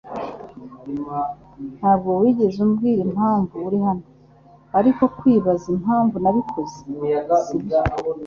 Ntabwo wigeze umbwira impamvu uri hano. Urimo kwibaza impamvu nabikoze, sibyo?